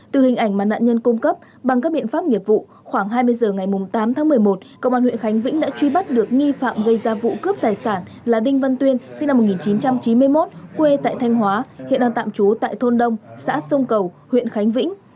từ hình ảnh mà nạn nhân cung cấp bằng các biện pháp nghiệp vụ khoảng hai mươi h ngày tám tháng một mươi một công an huyện khánh vĩnh đã truy bắt được nghi phạm gây ra vụ cướp tài sản là đinh văn tuyên sinh năm một nghìn chín trăm chín mươi một quê tại thanh hóa hiện đang tạm trú tại thôn đông xã sông cầu huyện khánh vĩnh